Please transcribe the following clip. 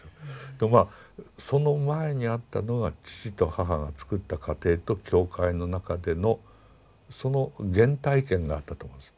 でもまあその前にあったのが父と母がつくった家庭と教会の中でのその原体験があったと思うんですよ。